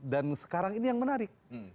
dan sekarang ini yang menarik